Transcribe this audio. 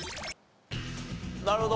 なるほど。